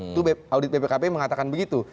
itu audit bpkp mengatakan begitu